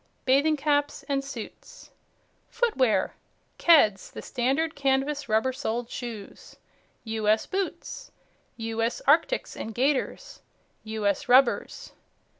Bathing Caps and Suits. FOOTWEAR Keds, the Standard Canvas Rubber Soled Shoes. "U.S." Boots. "U.S." Arctics and Gaiters. "U.S." Rubbers.